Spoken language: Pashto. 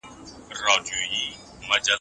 دا هبه ئې پدې شرط صحيح ده، چي خاوند راضي وي.